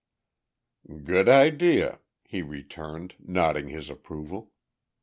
"Good idea," he returned, nodding his approval.